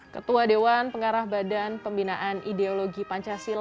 ketua dewan pengarah badan pembinaan ideologi pancasila